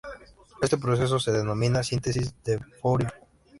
Este proceso se denomina síntesis de Fourier.